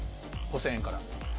５０００円から。